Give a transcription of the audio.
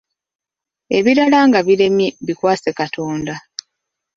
Ebirala nga biremye bikwase Katonda.